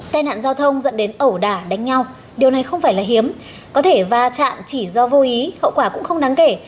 tai nạn giao thông dẫn đến ẩu đả đánh nhau điều này không phải là hiếm có thể va chạm chỉ do vô ý hậu quả cũng không đáng kể